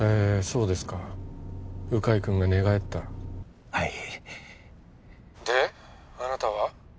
そうですか鵜飼君が寝返ったはい☎であなたは？